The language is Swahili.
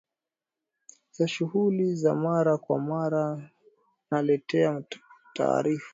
za shughuli za mara kwa mara naleteya taarifa